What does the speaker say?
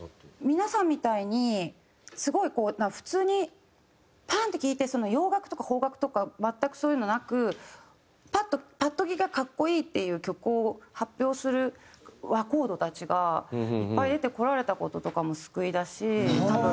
皆さんみたいにすごいこう普通にパンッ！って聴いて洋楽とか邦楽とか全くそういうのなくパッとパッと聴きが格好いいっていう曲を発表する若人たちがいっぱい出てこられた事とかも救いだし多分。